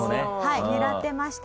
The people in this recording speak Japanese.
はい狙ってました。